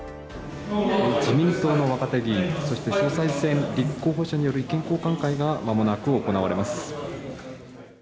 自民党の若手議員、そして総裁選立候補者による意見交換会が間もなく行われます。